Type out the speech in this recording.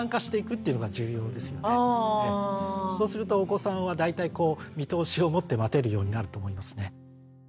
それをそうするとお子さんは大体こう見通しを持って待てるようになると思いますね。